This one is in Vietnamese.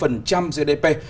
và tỉ trọng kinh tế số